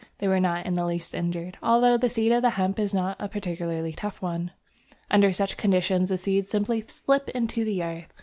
They were not in the least injured, although the seed of the hemp is not a particularly tough one. Under such conditions the seed simply slips into the earth.